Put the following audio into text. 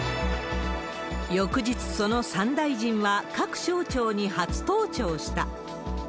翌日、その３大臣は各省庁に初登庁した。